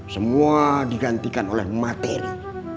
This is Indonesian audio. semua digantikan oleh materi